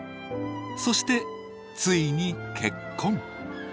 そしてついに結婚。